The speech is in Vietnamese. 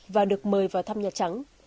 và được mời vào thăm nhà trắng